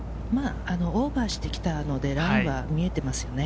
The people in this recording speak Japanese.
オーバーしてきたのでラインが見えています。